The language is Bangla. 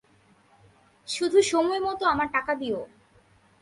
শুধু সময় মত আমার টাকা দিও।